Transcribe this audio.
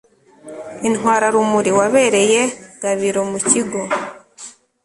intwararumuri wabereye gabiro mu kigo